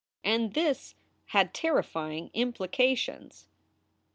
And this had terrifying implications.